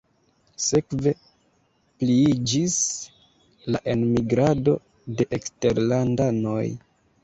Sekve pliiĝis la enmigrado de eksterlandanoj.